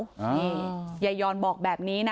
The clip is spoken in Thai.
นี่ยายยอนบอกแบบนี้นะ